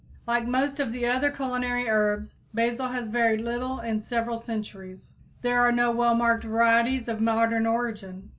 Like most of the other culinary herbs, basil has varied little in several centuries; there are no well marked varieties of modern origin.